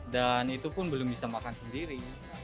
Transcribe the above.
dan itu pun belum bisa makan sendiri